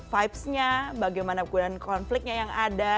vibes nya bagaimana kegunaan konfliknya yang ada